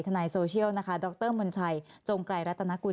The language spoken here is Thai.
นายโซเชียลนะคะดรมนชัยจงไกรรัตนกุล